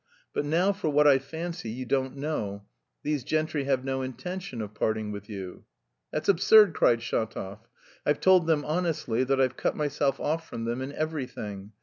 But now for what I fancy you don't know; these gentry have no intention of parting with you." "That's absurd!" cried Shatov. "I've told them honestly that I've cut myself off from them in everything.